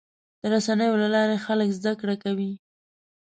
د رسنیو له لارې خلک زدهکړه کوي.